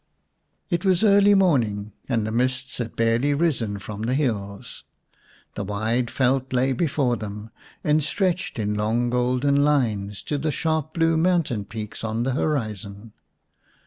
It was early morning, and the mists had barely risen from the hills. The wide veld lay before them, and stretched in long golden lines to the sharp blue mountain peaks on the horizon.